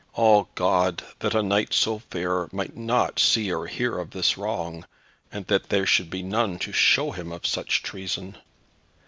Ah, God, that a knight so fair might not see nor hear of this wrong, and that there should be none to show him of such treason.